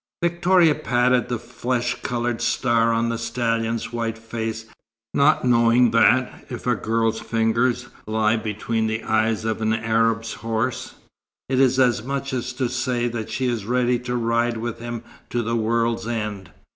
Victoria patted the flesh coloured star on the stallion's white face, not knowing that, if a girl's fingers lie between the eyes of an Arab's horse, it is as much as to say that she is ready to ride with him to the world's end.